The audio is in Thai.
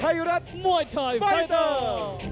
ไทยรัฐมวยไทยไฟเตอร์